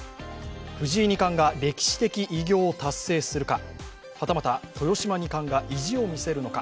藤井二冠が歴史的偉業を達成するかはたまた、豊島二冠が意地を見せるのか。